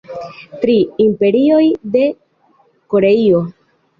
Tri imperioj de Koreio.